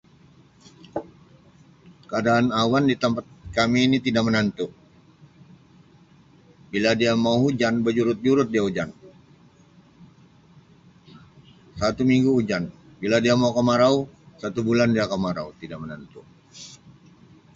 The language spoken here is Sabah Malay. Keadaan awan di tempat kami ini tidak menentu bila dia mau hujan bejurut-jurut dia ujan satu minggu hujan. Bila dia mau kemarau satu bulan dia kemarau, tidak menentu.